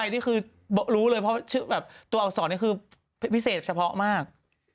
อะไรที่คือรู้เลยตัวอักษรนี้คือพิเศษเฉพาะมาก